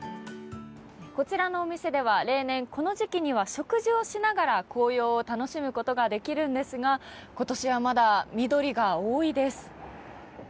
こちらの店では例年、この時期には食事をしながら紅葉を楽しむことができるんですが今年はまだ緑が多いです。